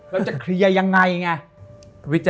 เราจะเคลียร์ยังไงไง